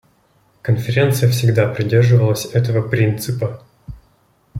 Конференция всегда придерживалась этого принципа.